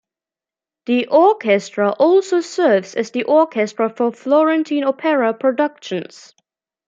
The orchestra also serves as the orchestra for Florentine Opera productions.